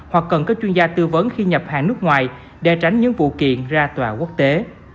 hoặc cần có chuyên gia tư vấn khi nhập hàng nước ngoài để tránh những vụ kiện ra tòa quốc tế